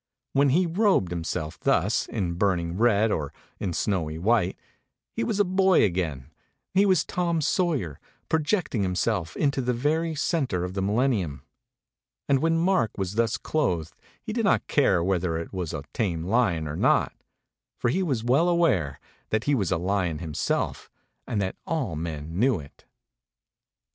When he robed himself thus in burning red or in snowy white, he was a boy again, he was Tom Sawyer, projecting himself into the very center of the millennium. And when Mark was thus clothed he did not care whether it was a tame lion or not, for he was well aware that he was a lion himself and that all men knew it.